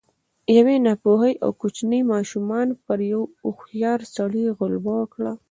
يوې ناپوهې او کوچنۍ ماشومې پر يوه هوښيار سړي غلبه وکړه.